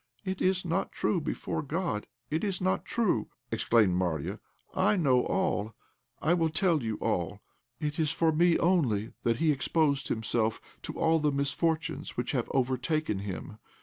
"It is not true, before God it is not true," exclaimed Marya. "I know all; I will tell you all. It is for me only that he exposed himself to all the misfortunes which have overtaken him.